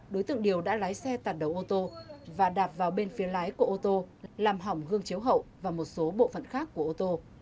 đối tượng điều đã lái xe tạt đầu ô tô và đạp vào bên phía lái của ô tô làm hỏng gương chiếu hậu và một số bộ phận khác của ô tô